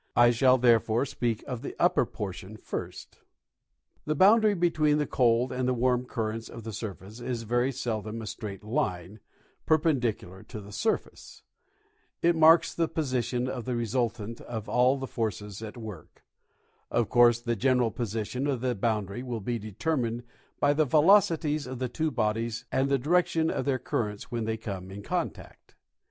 I shall therefore speak of the upper portion first. /. Upper Portion. The boundary between the cold and the warm currents of the surface is ver}' seldom a straight line, perpendicular to the sur face. It marks the position of the resultant of all the forces at work. Of course the general position of the boundary will be determined by the velocities of the two bodies and the direction of their currents when they come in contact.